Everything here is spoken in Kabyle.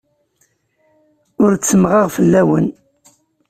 Ur ttemmɣeɣ fell-awen.